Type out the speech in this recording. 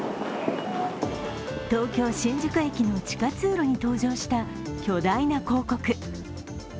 東京・新宿駅の地下通路に登場した巨大な広告。